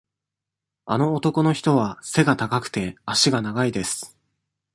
あの男の人は背が高くて、足が長いです。